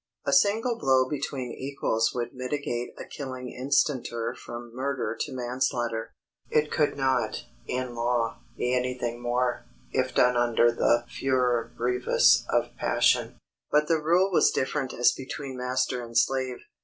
"A single blow between equals would mitigate a killing instanter from murder to manslaughter. It could not, in law, be anything more, if done under the furor brevis of passion. But the rule was different as between master and slave.